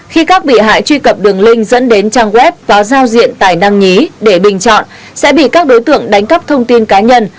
khi các bị hại truy cập đường link dẫn đến trang web và giao diện tài năng nhí để bình chọn sẽ bị các đối tượng đánh cắp thông tin cá nhân